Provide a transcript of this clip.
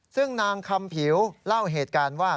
ซึ่งนางคำผิวเล่าเหตุการณ์ว่า